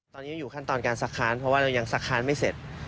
ตอนนี้ยังอยู่ขั้นตอนการสะค้านเพราะว่าเรายังสะค้านไม่เสร็จ